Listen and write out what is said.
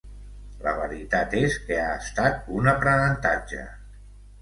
La veritat és que ha estat un aprenentatge.